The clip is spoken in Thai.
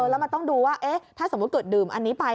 แล้วมันต้องดูว่าถ้าสมมุติเกิดดื่มอันนี้ไป